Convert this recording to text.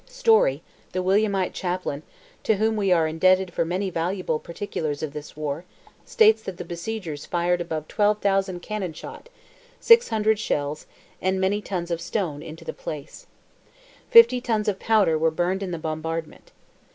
Storey, the Williamite chaplain, to whom we are indebted for many valuable particulars of this war, states that the besiegers fired above 12,000 cannon shot, 600 shells and many tons of stone, into the place. Fifty tons of powder were burned in the bombardment.